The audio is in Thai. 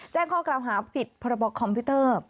แจ้งข้อกล่าวหาผิดพรบคอมพิวเตอร์